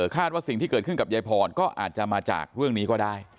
ว่าสิ่งที่เกิดขึ้นกับยายพรก็อาจจะมาจากเรื่องนี้ก็ได้